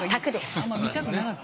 あんま見たくなかった。